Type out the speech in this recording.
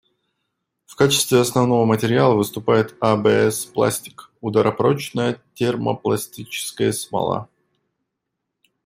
В качестве основного материала выступает АБС-пластик — ударопрочная термопластическая смола.